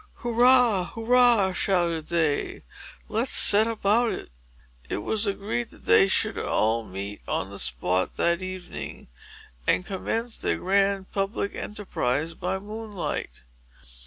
"Hurrah, hurrah!" shouted they. "Let's set about it!" It was agreed that they should all be on the spot, that evening, and commence their grand public enterprise by moonlight.